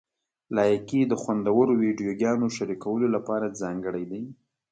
لایکي د خوندورو ویډیوګانو شریکولو لپاره ځانګړی دی.